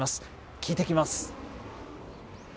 聞いてきます。